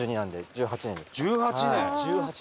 １８年！